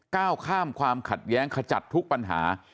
ก้าวข้ามความขัดแย้งขจัดทุกปัญหา